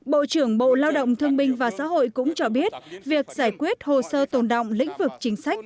bộ trưởng bộ lao động thương binh và xã hội cũng cho biết việc giải quyết hồ sơ tồn động lĩnh vực chính sách